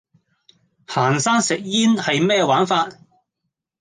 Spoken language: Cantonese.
行山食煙係咩玩法?